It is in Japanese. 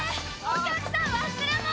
お客さん忘れ物！